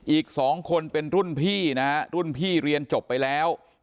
อีก๒คนเป็นรุ่นพี่นะฮะรุ่นพี่เรียนจบไปแล้ว